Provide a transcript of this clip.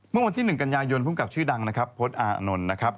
ตั้งวันที่๑กัญญายนภูมิกับชื่อดังนะครับโพสต์อ่านอนนะครับ